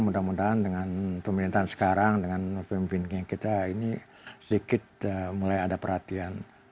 mudah mudahan dengan pemerintahan sekarang dengan pemimpin kita ini sedikit mulai ada perhatian